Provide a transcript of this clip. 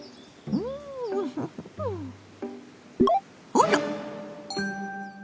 あら！